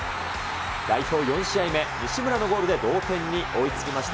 代表４試合目、西村のゴールで同点に追いつきました。